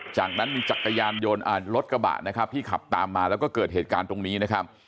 จากนั้นมีจักรยานยนต์รถกระบะนะครับที่ขับตามมาแล้วก็เกิดเหตุการณ์ตรงนี้นะครับ